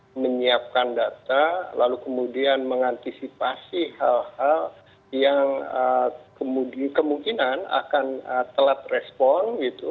kita menyiapkan data lalu kemudian mengantisipasi hal hal yang kemungkinan akan telat respon